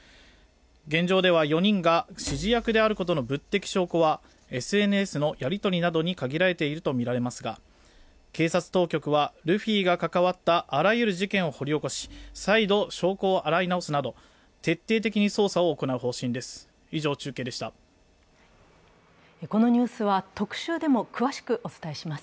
現状では４人が指示役であることの物的証拠は、ＳＮＳのやり取りなどに限られているとみられますが警察当局はルフィが関わったあらゆる事件を掘り起こし再度証拠を洗い直すなど徹底的に捜査を行う方針です。